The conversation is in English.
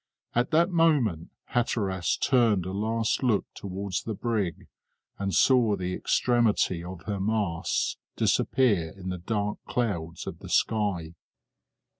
At that moment Hatteras turned a last look towards the brig, and saw the extremity of her masts disappear in the dark clouds of the sky.